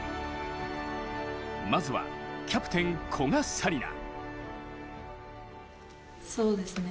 まずは、キャプテン・古賀紗理那。